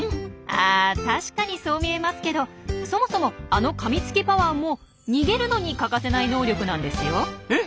あ確かにそう見えますけどそもそもあのかみつきパワーも逃げるのに欠かせない能力なんですよ。え？